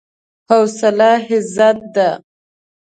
حوصله عزت ده.